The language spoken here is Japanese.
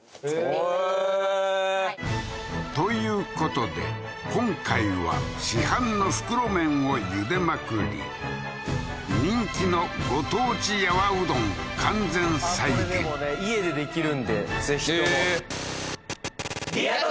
今日はこれへえーということで今回は市販の袋麺を茹でまくり人気のご当地やわうどん完全再現家でできるんでぜひともへえーリア突